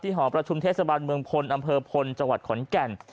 หอประชุมเทศบาลเมืองพลอำเภอพลจังหวัดขอนแก่น